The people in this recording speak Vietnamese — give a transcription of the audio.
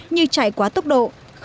như chạy quá tốc độ